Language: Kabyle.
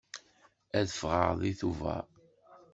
Ad ffɣeɣ deg Tubeṛ.